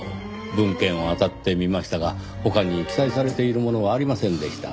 文献を当たってみましたが他に記載されているものはありませんでした。